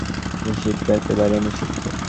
রাতিজাগা তাঁর জন্যে একেবারেই নিষিদ্ধ।